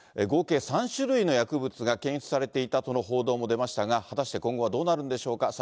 合計３種類の薬物が検出されていたとの報道も出ましたが、果たして今後、どうなるんでしょうか。